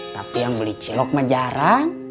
tapi yang beli celok mah jarang